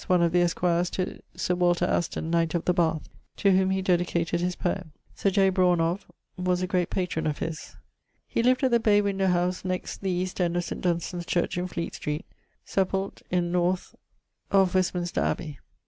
one of the esquires to Sir Walter Aston, Knight of the Bath, to whom he dedicated his Poeme. Sir J. Brawne of ... was a great patron of his. He lived at the bay windowe house next the east end of St. Dunstan's Church in Fleet street. Sepult. in north + of Westminster Abbey.